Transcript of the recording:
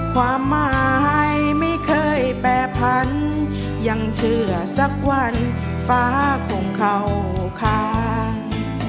ความหมายไม่เคยแปรพันยังเชื่อสักวันฟ้าคงเข้าคาง